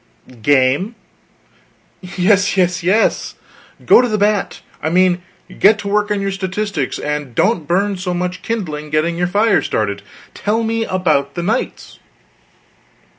"Game " "Yes, yes, yes! Go to the bat. I mean, get to work on your statistics, and don't burn so much kindling getting your fire started. Tell me about the knights."